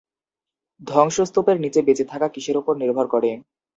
ধ্বংসস্তূপের নিচে বেঁচে থাকা কিসের উপর নির্ভর করে?